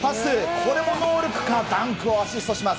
これもノールックからダンクをアシストします。